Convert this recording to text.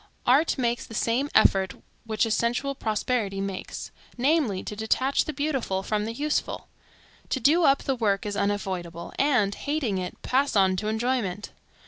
Art makes the same effort which a sensual prosperity makes; namely to detach the beautiful from the useful, to do up the work as unavoidable, and, hating it, pass on to enjoyment.